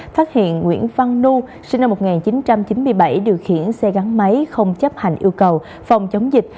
phát hiện nguyễn văn nu sinh năm một nghìn chín trăm chín mươi bảy điều khiển xe gắn máy không chấp hành yêu cầu phòng chống dịch